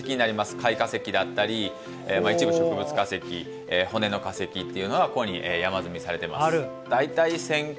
貝化石だったり一部植物化石骨の化石というのはここに山積みされてます。